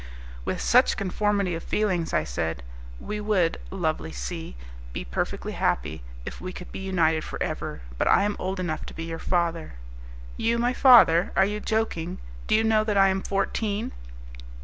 "With such conformity of feelings," I said, "we would, lovely C , be perfectly happy, if we could be united for ever. But I am old enough to be your father." "You my father? You are joking! Do you know that I am fourteen?"